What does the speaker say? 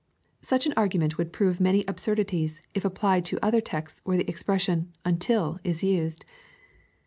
Such an argu ment would prove many absurdities, if apphed to other texts where the expression " until" is used.